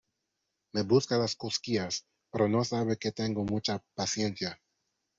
Me busca las cosquillas, pero no sabe que tengo mucha paciencia.